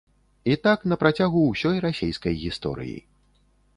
І так на працягу ўсёй расейскай гісторыі.